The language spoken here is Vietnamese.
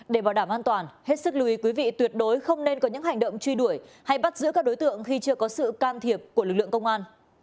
để bảo đảm an toàn hết sức lưu ý quý vị tuyệt đối không nên có những hành động truy đuổi hay bắt giữ các đối tượng khi chưa có sự can thiệp của lực lượng công an